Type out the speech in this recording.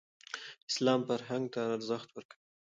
اسلام فرهنګ ته ارزښت ورکوي.